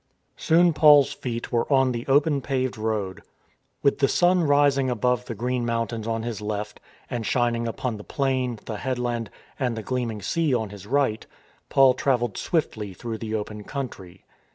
Soon Paul's feet were on the open paved road. With the sun rising above the green mountains on his left, and shining upon the plain, the headland, and the gleaming sea on his right, Paul travelled swiftly through the open country.